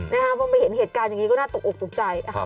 พอมาเห็นเหตุการณ์อย่างนี้ก็น่าตกอกตกใจ